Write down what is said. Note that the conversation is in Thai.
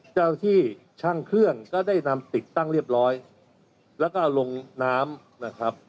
เจ้าหน้าที่ช่างเครื่องก็ได้นำติดตั้งเรียบร้อยแล้วก็เอาลงน้ำนะครับ